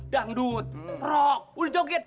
dangdut krok udah joget